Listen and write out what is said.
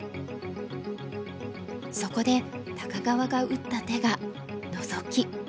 そこで高川が打った手がノゾキ。